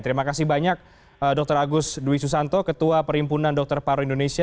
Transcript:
terima kasih banyak dr agus dwi susanto ketua perimpunan dr paro indonesia